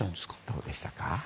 どうでしたか？